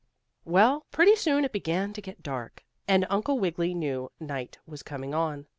Well, pretty soon, it began to get dark, and Uncle Wiggily knew night was coming on.